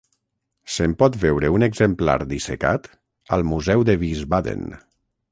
Se'n pot veure un exemplar dissecat al Museu de Wiesbaden.